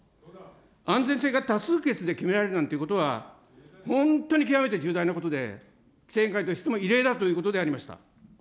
安全性が多数決で決められるなんていうことは、本当に極めて重大なことで、規制委員会としても異例だということでありました。